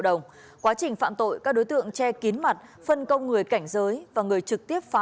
đồng quá trình phạm tội các đối tượng che kín mặt phân công người cảnh giới và người trực tiếp phá